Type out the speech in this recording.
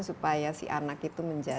supaya si anak itu menjadi